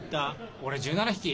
俺１７匹。